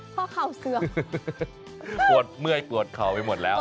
ถ้ายอกอันนี้ก็ลงไปนอนร่ามกลับพื้นแล้ว